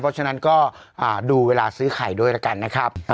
เพราะฉะนั้นก็ดูเวลาซื้อไข่ด้วยแล้วกันนะครับ